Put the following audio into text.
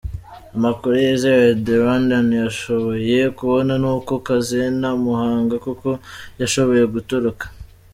Amakuru yizewe The Rwandan yashoboye kubona ni uko, Cassien Ntamuhanga koko yashoboye gutoroka.